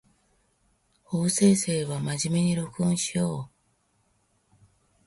法政生は真面目に録音しよう